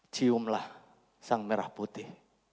ciumlah sang merah putih